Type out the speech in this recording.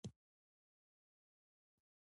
ساده اوبه د روغتیا راز دي